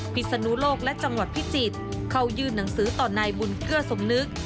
ศนุโลกและจังหวัดพิจิตรเข้ายื่นหนังสือต่อนายบุญเกื้อสมนึก